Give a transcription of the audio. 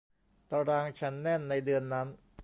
ตารางฉันแน่นในเดือนนั้น